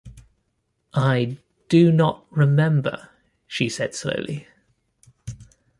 "I do not remember," she said slowly.